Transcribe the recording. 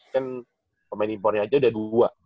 kan pemain impornya aja udah dua